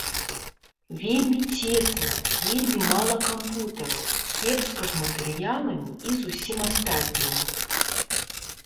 Вельмі цесна, вельмі мала кампутараў, кепска з матэрыяламі і з усім астатнім.